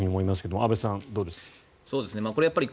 安部さん、どうです？